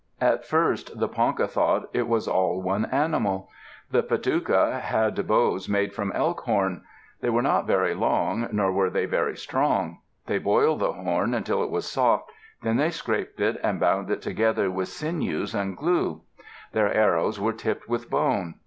At first the Ponca thought it was all one animal. The Padouca had bows made from elk horn. They were not very long, nor were they very strong. They boiled the horn until it was soft; then they scraped it, and bound it together with sinews and glue. Their arrows were tipped with bone.